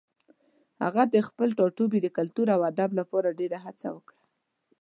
هغه د خپل ټاټوبي د کلتور او ادب لپاره ډېره هڅه وکړه.